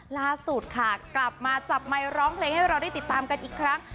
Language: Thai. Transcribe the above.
ล่าสุดค่ะกลับมาจับไมค์ร้องเพลงให้เราได้ติดตามกันอีกครั้ง